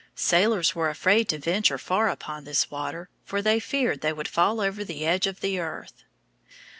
Sailors were afraid to venture far upon this water, for they feared they would fall over the edge of the earth.